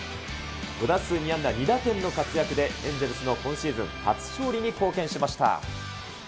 ５打数２安打２打点の活躍で、エンゼルスの今シーズン初勝利に貢献しました。